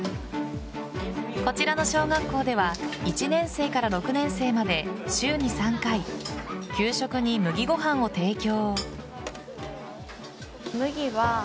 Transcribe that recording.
こちらの小学校では１年生から６年生まで週に３回給食に麦ご飯を提供。